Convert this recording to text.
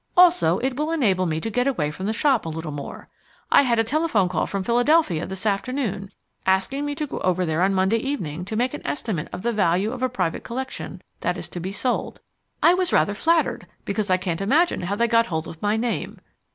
Also it will enable me to get away from the shop a little more. I had a telephone call from Philadelphia this afternoon asking me to go over there on Monday evening to make an estimate of the value of a private collection that is to be sold. I was rather flattered because I can't imagine how they got hold of my name.